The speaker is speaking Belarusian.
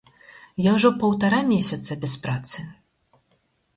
Я ужо паўтара месяца без працы.